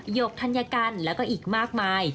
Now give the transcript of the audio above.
หกธัญกันแล้วก็อีกมากมาย